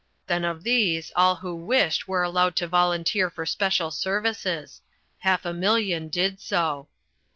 Then of these all who wished were allowed to volunteer for special services. Half a million did so.